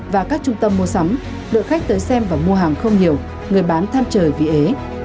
và các trung tâm mua sắm lượng khách tới xem và mua hàng không nhiều người bán tham trời vì ế